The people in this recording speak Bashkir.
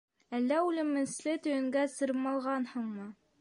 Әллә үлемесле төйөнгә сырмалғанһыңмы?